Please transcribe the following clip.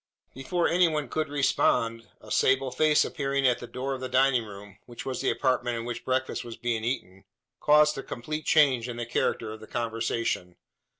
Before any one could respond, a sable face appearing at the door of the dining room which was the apartment in which breakfast was being eaten caused a complete change in the character of the conversation.